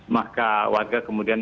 maka warga kemudian